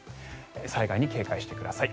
災害に警戒してください。